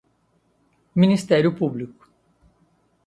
Ministério Público